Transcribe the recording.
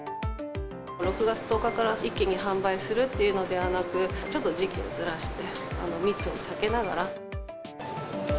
６月１０日から一気に販売するというのではなく、ちょっと時期をずらして、密を避けながら。